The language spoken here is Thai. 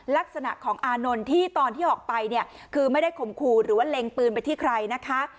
ลักษณะของอานนท์ที่ตอนที่ออกไปเนี่ยคือไม่ได้ข่มขู่หรือว่าเล็งปืนไปที่ใครนะคะ